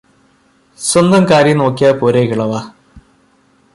സ്വന്തം കാര്യം നോക്കിയാല് പോരെ കിളവാ